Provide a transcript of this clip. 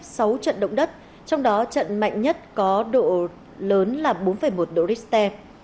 tỉnh con tum đã ghi nhận liên tiếp sáu trận động đất trong đó trận mạnh nhất có độ lớn là bốn một độ richter